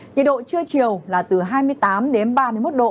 nhiệt độ trưa chiều là từ hai mươi tám đến ba mươi một độ